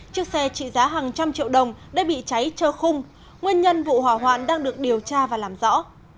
chiếc xe trị giá hàng trăm triệu đồng đã bị cháy trơ khung nguyên nhân vụ hỏa hoạn đang được điều tra và làm rõ